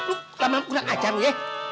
lo lama lama kena ngajar lo ya